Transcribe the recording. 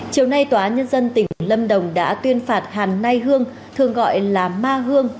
chiều nay tòa nhân dân tỉnh lâm đồng đã tuyên phạt hàn nay hương thường gọi là ma hương